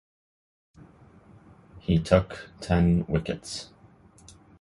He took ten wickets.